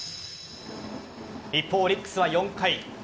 一方、オリックスは４回。